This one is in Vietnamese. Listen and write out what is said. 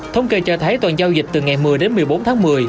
thống kê cho thấy tuần giao dịch từ ngày một mươi đến một mươi bốn tháng một mươi